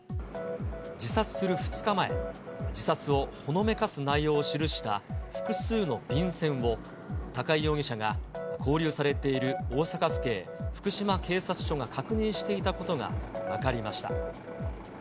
自殺する２日前、自殺をほのめかす内容を記した複数の便箋を、高井容疑者が勾留されている大阪府警福島警察署が確認していたことが分かりました。